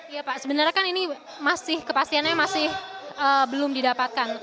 ya pak sebenarnya kan ini masih kepastiannya masih belum didapatkan